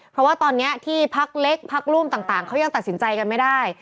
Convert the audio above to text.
เพราะว่าตอนนี้ที่พักเล็กพักร่วมต่างเขายังตัดสินใจกันไม่ได้